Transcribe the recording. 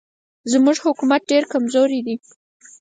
زموږ حکومت ډېر کمزوری دی.